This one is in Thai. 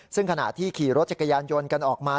ซึ่งขณะที่ขี่รถจักรยานยนต์กันออกมา